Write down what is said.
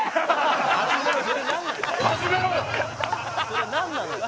それなんなのよ？